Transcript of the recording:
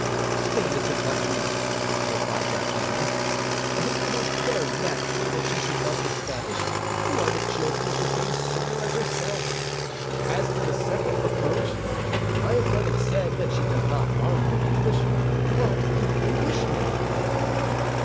"Spain is her country," replied D'Artagnan; "and it is very natural that she should love the Spanish, who are the children of the same soil as herself. As to the second reproach, I have heard it said that she does not love the English, but an Englishman."